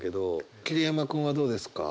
桐山君はどうですか？